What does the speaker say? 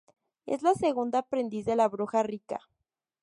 Es la segunda aprendiz de la Bruja Rika.